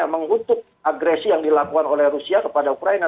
mengutuk agresi yang dilakukan oleh rusia kepada ukraina